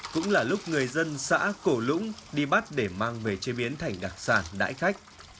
cũng là lúc người dân xã cổ lũng đi bắt để mang về chế biến thành đặc sản đại khách